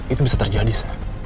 itu bisa terjadi sal